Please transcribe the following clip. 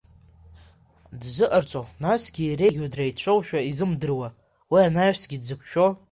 Дзыҟарҵо насгьы иреиӷьу дреицәоушәа, изымдыруа уи анаҩсгьы дзықәшәо?